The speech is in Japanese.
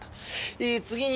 えー次に。